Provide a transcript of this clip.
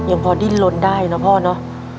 ยังพอดิ้นลนได้นะพ่อเนอะ